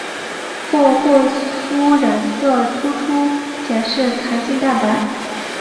佛霍夫染色突出显示弹性蛋白。